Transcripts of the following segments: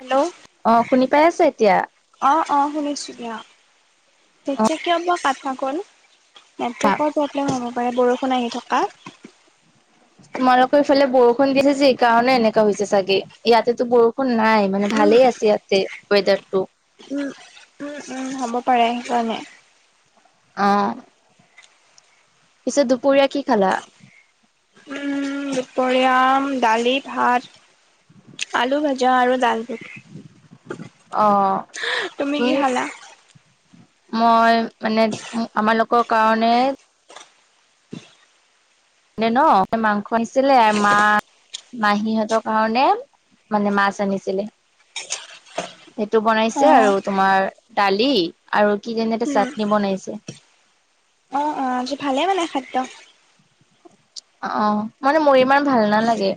Hello অ শুনি পাইছে এতিয়া? অ অ শুনিছো দিয়া। তেতিয়া কিয় বা কাটা গ'ল। নেটৱৰ্কৰ প্ৰব্লেম হ'ব পাৰে বৰষুণ আহি থকা তোমালোকৰ ইফালে বৰষুণ দিছে যে এই কাৰণে এনেকা হৈছে চাগে ইয়াতেতো বৰষুণ কোন নাই মানে ভালে আছে ইয়াতে ৱেদাৰ টো উম হ'ব পাৰে সেইকাৰণে। অ। পিছে দুপৰীয়া কি খালা? উম, দুপৰীয়া দালি ভাত। আলু ভাজা আৰু দাল ভুত অ কি তুমি? খালা? মই মানে আমালোকৰ কাৰণে নে ন মাংস আছিলে মা- মাহীহঁতৰ কাৰণে মানে মাছ আনিছিলে। সেইটো বনাইছে অ', আৰু তোমাৰ দালি আৰু কি জানি এটা উম, চাটনি বনাইছে। অ আজি ভালে মানে খাদ্য অ মানে মোৰ ইমান ভাল নালাগে।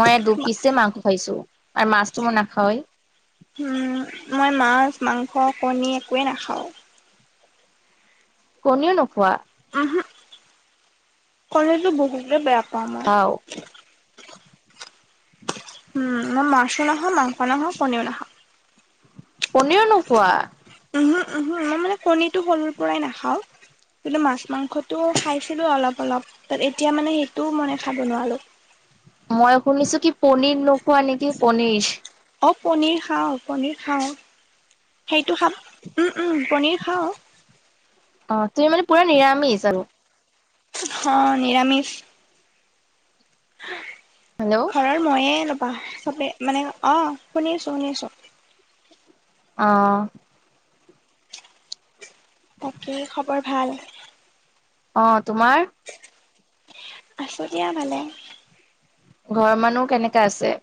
মই দুপিছে মাংস খাইছো আৰু মাছটো মই নাখাওৱেই। [unintelligible] মই মাছ, মাংস, কণী একোৱে নাখাওঁ। কণীও নোখোৱা। উহু। কণীটো বহুতে বেয়া পাওঁ মই। বাও মই মাছো নেখাওঁ, মাংখ নেখাওঁ, পনি নেখাওঁ। পনীৰ নোখোৱা। ওহু মই মানে কণীটো সৰুৰ পৰাই নাখাওঁ। কিন্তু মাছ মাংসটো খাইছিলো অলপ অলপ তাত এতিয়া মানে সেইটোও মনে খাব নোৱাৰো। মই শুনিছো কি পনীৰ নোখোৱা নেকি পনীৰ অ পনীৰ খাওঁ পনিৰ খাওঁ। সেইটো খাম উম উম পনীৰ খাওঁ। অ তুমি মানে পুৰা নিৰামিছ আৰু। হ নিৰামিষ। [unintelligible] হেল্ল' ঘৰৰ ময়ে ল'পা চবেই মানে, অহ শুনি আছো শুনি আছো। অ। বাকী খবৰ ভাল? অ, তোমাৰ? আছো দিয়া ভালে। ঘৰৰ মানুহ কেনেকে আছে?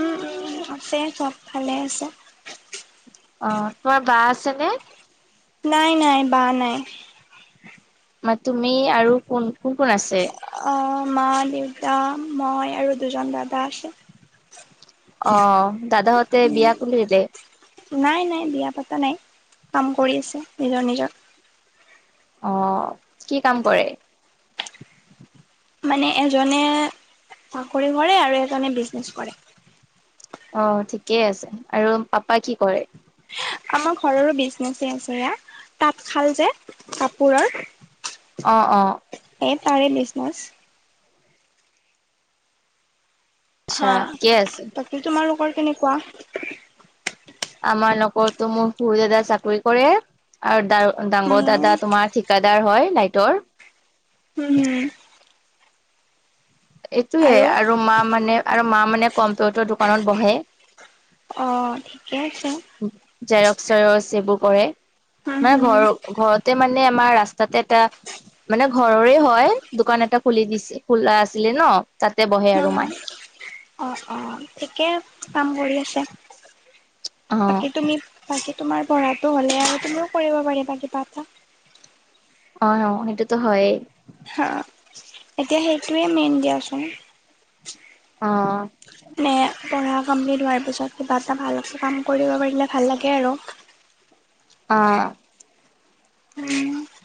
উ উ আছে চব ভালে আছে। অ তি বা আছে নে? নাই নাই বা নাই। মা তুমি আৰু কোন কোন কোন আছে। আহ মা দেউতা মই আৰু দুজন দাদা আছে। অ দাদাহতে বিয়া কোনটো দিলে? নাই নাই বিয়া পতা নাই, কাম কৰি আছে নিজৰ নিজৰ। অ কি কাম কৰে? মানে এজনে চাকৰি কৰে আৰু এজনে বিজনেছ কৰে। অ ঠিকেই আছে আৰু পাপা কি কৰে? আমাৰ ঘৰৰো বিজনেচ আছে এয়া তাঁত খাল যে কাপোৰৰ। অ অ। এ তাৰে বিজনেছ। আচ্ছা কে আছে। সে তোমালোকৰ কেনেকুৱা। আমাৰ লগৰতো মোৰ সুৰ দাদা চাকৰি কৰে আৰু ডাঙৰ উম দাদা তোমাৰ ঠিক দাদাৰ হয় লাইটৰ। উম, হুম। এইটোয়ে আৰু মা মানে আৰু মা মানে কম্পিউটাৰ দোকানত বহে। অহঁ। থিকে আছে। জেৰক্সৰ, চেৰক্স এইবোৰ কৰে। হুম মানে হুম ঘৰ ঘৰতে মানে আমাৰ ৰাস্তাতে এটা মানে ঘৰৰে হয়, দোকান এটা খুলি দিছে খোলা আছিলে ন, তাতে বহে আৰু মায়। অ'হ, অ'হ ঠিকে কাম কৰি আছে। অ বাকী তুমি বাকী তোমাৰ পঢ়াটো হ'লে আৰু তুমিও কৰিব পাৰিবা কিবা এটা। অ অ সেইটোটো হয়েই। হা এতিয়া সেইটোয়ে মেইন দিয়াচোন। অ'হ। নে পঢ়া কমপ্লিট হোৱাৰ পিছত কিবা এটা ভাল কাম কৰিব পাৰিলে ভাল লাগে আৰু। অ'হ। বাকী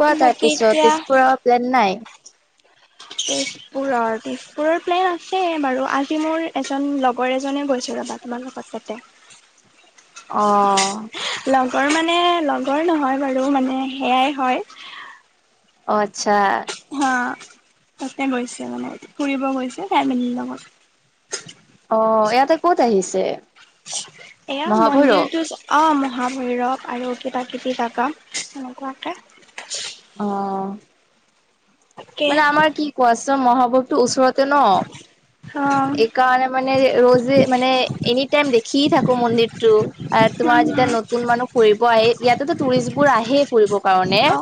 কোৱা তাৰ পিছত এতিয়া তেজপুৰৰ প্লেন নাই? তেজপুৰৰ তেজপুৰৰ প্লেন আছে বাৰু আজি মোৰ এজন লগৰ এজনে গৈছে ৰবা। মানুহ পাছতে। অ লগৰ মানে লগৰ নহয় বাৰু মানে সেয়াই হয়। অ আচ্ছা। হা তাতে গৈছে মানে, ফুৰিব গৈছে ফেমিলিৰ লগত। অ ইয়াতে ক'ত আহিছে? এয়া মহাভৈৰৱ মন্দিৰটো অঁ মহাভৈৰৱ আৰু কিবা কিবি জাগা এনেকুৱাকে। অ তাকে মানে আমাৰ কি কোৱা'চ মহাভবটো ওচৰতে ন। অ এইকাৰণে মানে ৰোজে মানে এনি টাইম দেখিয় থাকো মন্দিৰ টো, তোমাৰ উম যেতিয়া নতুন মানুহ ফুৰিব আহি, ইয়াতেতো টুৰিষ্ট বোৰ আহে ফুৰিব কাৰণে, অ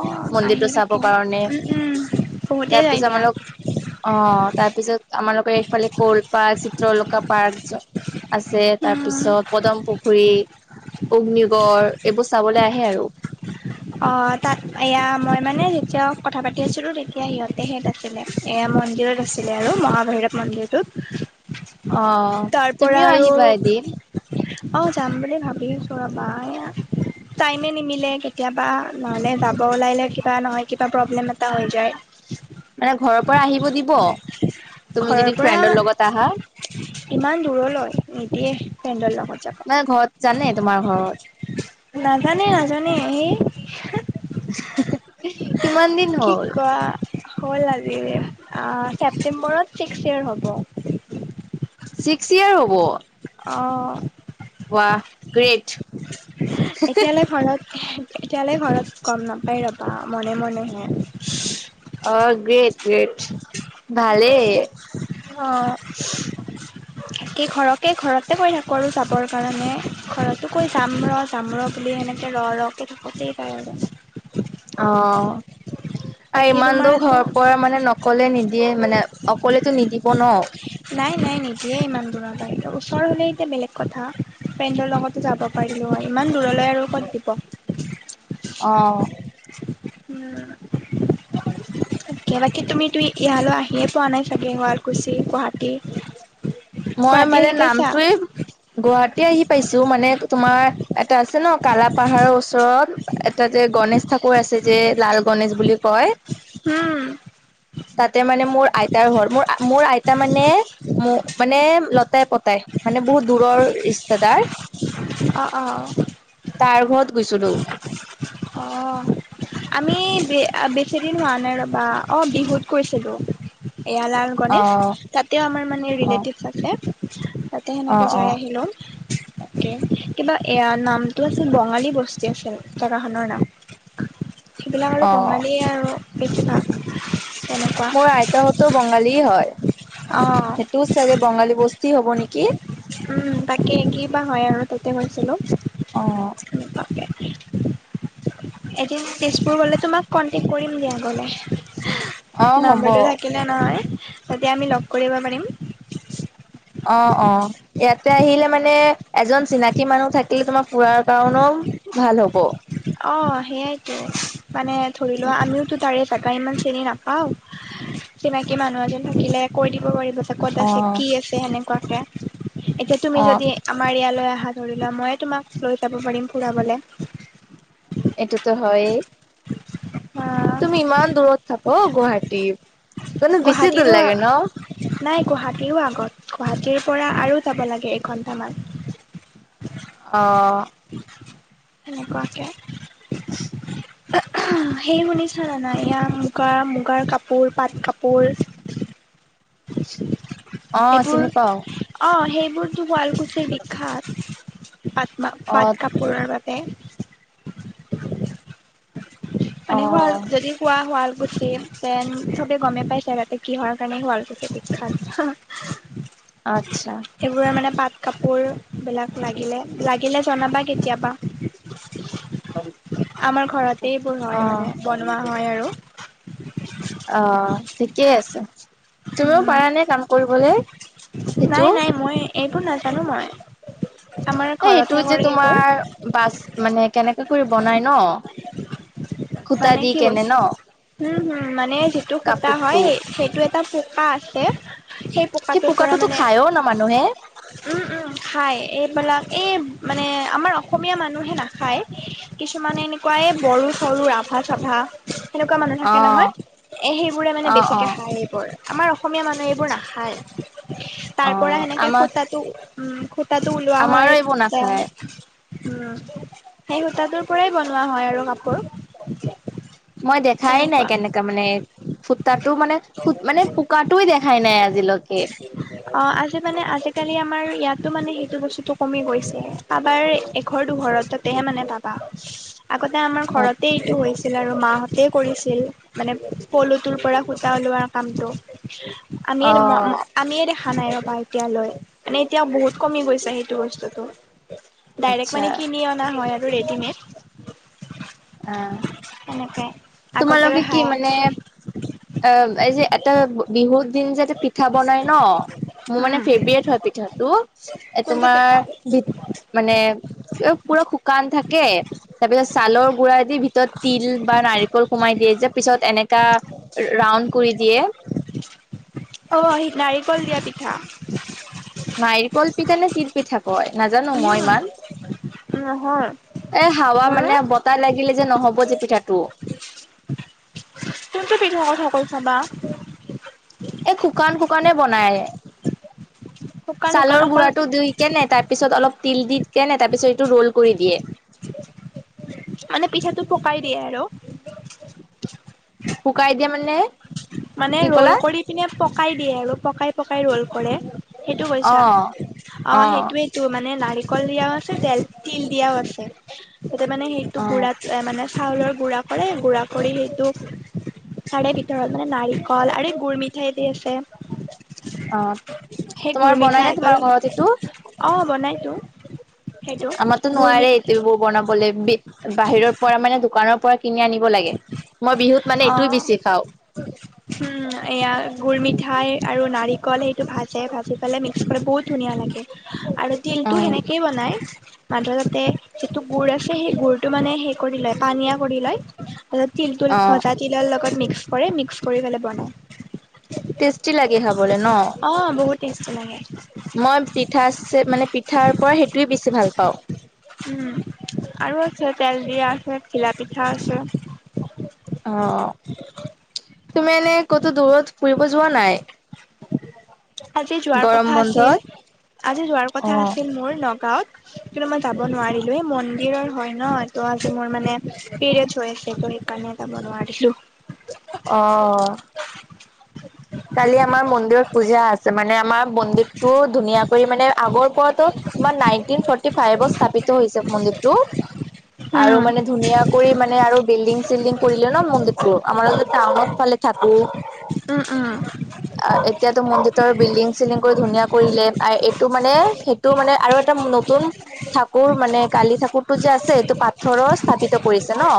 আহি মন্দিৰতটো থাকে চাব কাৰণে। উম উম বহুতে যায় তাৰপিছত দিয়া আমালোক অ তাৰপিছত আমাৰালোকৰ এইফালে ক'ল পাৰ্ক, চিত্ৰলকা পাৰ্ক আছে, উম তাৰপিছত পদম পুখুৰী, অগ্নিগড়, এইবোৰ চাবলৈ আহে আৰু। অ তাত এয়া মই মানে যেতিয়া কথা পাতি আছিলো তেতিয়া সিহঁতেহে তাত আছিলে এয়া মন্দিৰত আছিলে আৰু মহাভৈৰব মন্দিৰটোত। অ তাৰ পৰা তুমিও আৰু আহিবা এদিন। অ যাম বুলি ভাবি আছো ৰবা এ টাইমে নিমিলে কে কেতিয়াবা নহলে যাব ওলাইে কিবা নহয়, কিবা প্ৰব্লেম এটা হৈ যায়। মানে ঘৰৰ পৰা আহিব দিব, তুমি ঘৰৰ যদি পৰা ফ্ৰেণ্ডৰ লগত আহা? ইমান দূৰলৈ, নিদিয়ে ফেণ্ডৰ লগত যাব। মানে ঘৰত জানে তোমাৰ ঘৰত? নাজানে -নাজানে হে [unintelligible] কিমান দিন কি হ'ল? কোৱা হ'ল আজি আ, ছেপ্টেম্বৰত ছিক্স ইয়েৰ হ'ব। ছিক্স ইয়োৰ হ'ব? অঁ। ৱা গ্ৰেট। এতিয়ালৈ ঘৰত এতিয়ালে ঘৰত গম নাপায় ৰ'বা মনে -মনেহে অ, গ্ৰেট- গ্ৰেট ভালেই। অ', [unintelligible] ঘৰকে ঘৰতে কৈ থাকো আৰু যাবৰ কাৰণে ঘৰতো কৈ যাম ৰ তামোলৰ পুলি এনেকে ৰ- ৰ কে থাকোঁতেই যাই আৰু। অ, আৰু বাকী ইমান তোমাৰ দূৰ আছে ঘৰ পৰা মানে ন' অকলে নিদিয়ে মানে অকলেতো নিদিব ন'। নাই -নাই নিদিয়ে ইমান দূৰলৈ অ, ওচৰ হলে এতিয়া বেলেগ কথা। ফেণ্ডৰ লগতো যাব পাৰিলো হয় ইমান দূৰলৈ আৰু ক'ত দিব। অ', হম, তাকে বাকী তুমি- তুমি ইয়ালৈ আহিয়ে পোৱা নাই চাগে গুৱালকুছি, গুহাটী? মই মানে নামটোৱে গুৱাহাটী আহি পাইছো মানে তোমাৰ এটা আছে ন' কালাপাহাৰৰ ওচৰত এটা যে গনেশ ঠাকুৰ আছে যে লাল গনেশ বুলি কয়। হম। তাতে মানে মোৰ আইতাৰ ঘৰ মোৰ- মোৰ আইতা মানে মো এম লতাই- পতাই মানে বহুত দূৰৰ ৰিষ্টেদাৰ। অ', অ', তাৰ ঘৰত গৈছিলো অ', আমি বে -বেছি দিন হোৱা নাই ৰবা অ, বিহুত গৈছিলোঁ। এয়া অ লালগণেশ তাতেও আমাৰ মানে অ ৰিলেটিভছ আছে। তাতে অ সেনেকে অ যাই আহিলোং। কিবা এয়া নামটো আছিল বঙালী বস্তি আছিল জেগাখনৰ নাম। সেইবিলাক আৰু অ বঙালীয়ে আৰু বেছিভাগ। তেনেকুৱা মোৰ আইতাহতো বঙালী হয় অ সেইটোও চাগে বঙালী বস্তি হ'ব নেকি? উম, তাকে কিবা হয় আৰু তাতে গৈছিলোঁ। অ', এনেকোৱাকে, এদিন তেজপুৰ গ'লে তোমাক কনতেক কৰিম দিয়া গলে অ অহ হ'ব নাম্বৰটো থাক থাকিলে নহয় তেতিয়া আমি লগ কৰিব পাৰিম। অ', অ', ইয়াতে আহিলে মানে এজন চিনাকি মানুহ থাকিলে তোমাৰ ফুৰাৰ কাৰণেও ভাল হ'ব। অ, সেয়াইতো মানে ধৰি লোৱা আমিওতো তাৰে তাকা ইমান চিনি নাপাওঁ চিনাকি মানুহ এজন থাকিলে কৈ দিব পাৰিব এ ক'ত অ আছে কি আছে সেনেকুৱাকে এতিয়া তুমি অ যদি আমাৰ ইয়ালে আহা ধৰি লোৱা ময়ে তোমাক লৈ যাব পাৰিম ফুৰাবলে। এইটোতো হয়ে। অ', তুমি ইমান দূৰত থাক গুহাটী। গুহাতিৰো আ নাই গুৱাহাটীৰো আগত গুৱাহাটীৰ পৰা আৰু যাব লাগে একঘণ্টামান। অ', হেনেকুৱাকে [unintelligible] সেই শুনিছা না নাই ইয়াৰ মুগাৰ মুগাৰ কাপোৰ পাট কাপোৰ৷ [unintelligible] এইবোৰ চিনি পাওঁ অ সেইবোৰতো শুৱালকুছিৰ বিখ্যাত৷ পাট মা অ', পাট কাপোৰৰ বাবে। [unintelligible] মানে হোৱাৰ অ', যদি পোৱা শুৱালকুছি দেন চবে গমেই পাইছে তাতে কিহৰ কাৰণে শুৱালকুছি বিখ্যাত হা - হা। [inaudible] আত্ছা সেইবোৰৰে মানে পাট কাপোৰ বিলাক লাগিলে লাগিলে জনাবা কেতিয়াবা আমাৰ ঘৰতে এইবোৰ হয় অ', মানে বনোৱা হয় আৰু৷ অ ঠিকেই আছে তুমিও পাৰ নে কাম কৰিবলে? সেইটো? নাই-নাই মই এইবোৰ নাজানো মই৷ আমাৰ অ এইটো ঘৰতহে যে কৰে এইবোৰ তোমাৰ বাছ মানে কেনেকে কৰি বনাই ন! সূতা মানে দি কি কেনে বস্তু ন? উম হম মানে যিটো সূতা কাপোৰটো হয় সেইটো এটা পুকা আছে সেই পুকাটোৰ পৰা পোকাটোতো মানে খায়ও ন মানুহে উম - উম খাই এইবিলাক এই মানে আমাৰ অসমীয়া মানুহে নাখায়৷ কিছুমানে এনেকুৱা এ বড়ো চৰু ৰাভা চাভা৷ সেনেকুৱা মানুহ থাকে অ', নহয় এ সেইবোৰ মানে অ', বেছিকে অ', খায় এইবোৰ আমাৰ অসমীয়া মানুহে এইবোৰ না খাই তাৰ পৰা অ', সেনেকে আমাৰ খুতাটো উ খু তাতো ওলোৱা আমাৰো হয় এইবোৰ নাখায় উম সেই সূতাটোৰ পৰাই বনোৱা হয় আৰু কাপোৰ৷ মই দেখাই নাই তেনেকুৱা কেনেকে তাৰ মানে সুতাতটো মানে মানে পোকাটোয়ে দেখায় নাই আজিলৈকে অ আজি মানে আজিকালি আমাৰ ইয়াতো মানে সেইটো বস্তুটো কমি গৈছে৷ কাবাৰ এঘৰ দুঘৰতহে মানে পাবা আগতে আমাৰ অ', ঘৰতে হৈছিল আৰু মাহঁতেই কৰিছিল৷ মানে পলুটোৰ পৰা সুতা ওলোৱাৰ কামতটো আমিয়ে ম অ', - ম আমিয়ে দেখা নাই ৰবা এতিয়ালৈ মানে এতিয়া বহুত কমি গৈছে সেইটো বস্তুটো৷ ডাইৰেক্ট আচ্ছা মানে কিনি অনা হয় আৰু ৰেডিমেড৷ অ এনেকে তোমালোকে কি মানে অ এই যে এ বিহুত দিন যে পিঠা বনাই ন মোৰ মানে উম ফেভৰেট হয় পিঠাটো৷ কোনটো পিঠা? বিত মানে পুৰা শুকান থাকে৷ তাৰ পিছত ছালৰ গুৰা দি ভিতৰত তিল বা নাৰিকল সোমাই দিয়ে যে পিছত এনেকা ৰাউণ্ড কৰি দিয়ে৷ অ সেই নাৰিকল দিয়া পিঠা৷ নাৰিকল পিঠা নে তিল পিঠা কয় নাজানো মই ইমান৷ উম নহয়৷ এই হাৱা মানে বতাহ লাগিলে যে নহব যে পিঠাটো৷ কোনটো পিঠা কথা কৈছা বা! এই শুকান-শুকানে বনাই৷ [unintelligible] শুকান শুকান ছালৰ অকল গুড়াটো ধুই কেনে তাৰপিছত অলপ তিল দি কেনে তাৰপিছত এইটো ৰোল কৰি দিয়ে৷ মানে পিঠাটো পকাই দিয়ে আৰু৷ শুকাই যে মানে মানে কি ৰোল ক'লা কৰি কিনে পকাই দিয়ে আৰু পকাই - পকাই ৰোল কৰে৷ সেইটো অ কৈছা। অ সেইটোৱে টো মানে নাৰিকল দিয়াও আছে তেল তিল দিয়াও আছে। তাতে মানে সেইটো অ গুৰাত এ মানে চাউলৰ গুড়া কৰে। গুড়া কৰি সেইটোক তাৰে ভিতৰত মানে নাৰিকল আৰু গুৰ মিঠাই দি আছে। অ তোমাৰ বনাই নে তোমাৰ ঘৰত এইটো? অঁ বনাইটো৷ আমাৰো নোৱাৰে এইটোয় বৌ বনাবলৈ বাহিৰৰ পৰা মানে দোকানৰ পৰা কিনি আনি লাগে মই বিহুত মানে এইটোয়ে অ বেছি খাওঁ৷ [unintelligible] উম এয়া গুৰ মিঠাই আৰু নাৰিকল সেইটো ভাজে। ভাজি পেলাই মিক্স কৰে বহুত ধুনীয়া লাগে। আৰু অ তিলটো সেনেকেই বনায়। মাজত তাতে যিটো গুড় আছে সেই গুৰটো মানে হেই কৰি লয় পানীয়া কৰি লয়। তাৰপিছত তিলটোল অ ভজা তিলৰ লগত মিক্স কৰে মিক্স কৰি পেলাই বনায়। টেষ্টি লাগে খাবলে ন অ বহুত টেষ্ট লাগে। মই পিঠাৰছে মানে পিঠাৰ পৰা সেইটোৱে বেছি ভাল পাওঁ। হুম আৰু আছে তেল দিয়া আছে, ঘিলা পিঠা আছে। অ, তুমি এনে ক'তো দূৰত ফুৰিব যোৱা নাই? আজি যোৱাৰ গৰম কথা আছিল। বন্ধত আজি যোৱাৰ অ কথা আছিল মোৰ নগাঁৱত। কিন্তু মই যাব নোৱাৰিলো। এই মন্দিৰৰ হয় ন। ত আজি মোৰ মানে পিৰিয়ডছ হৈ আছে সেইকাৰণে যাব নোৱাৰিলো। অ। কালি আমাৰ মন্দিৰত পূজা আছে। মানে আমাৰ মন্দিৰটো ধুনীয়া কৰি মানে আগৰ পৰাতো তোমাৰ নাইনটিন ফৰ্টি ফাইভত স্থাপিত হৈছে মন্দিৰটো। আৰু উম মানে ধুনীয়া কৰি মানে আৰু বিল্ডিং চিল্ডিং কৰিলে ন মন্দিৰটো। আমাৰ আকৌ টাউনৰ ফালে থাকো। উ, উ। অ এতিয়াতো মন্দিতৰ বিল্ডিং চিল্ডিং কৰি ধুনীয়া কৰিলে। এইটো মানে টো মানে আৰু এটা নতুন ঠাকুৰ মানে কালি ঠাকুৰটো যে আছে সেইটো পাথৰৰ স্থাপিত কৰিছে ন?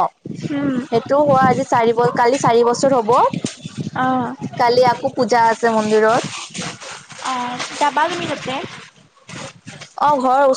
উম সেইটো হোৱা আজি চাৰি কালি চাৰি বছৰ হ'ব। অ। কালি আক' পূজা আছে মন্দিৰত। অ যাবা তুমি তাতে? অ ঘৰৰ ওচ